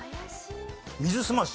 水すまし？